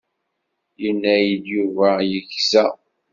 Yenna-yi-d Yuba yegza.